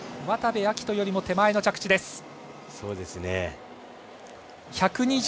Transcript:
渡部暁斗よりも手前の着地です。